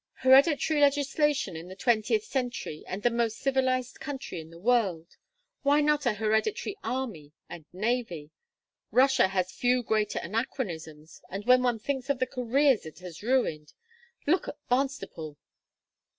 Hereditary legislation in the twentieth century and the most civilized country in the world! Why not an hereditary army and navy? Russia has few greater anachronisms. And when one thinks of the careers it has ruined! Look at Barnstaple."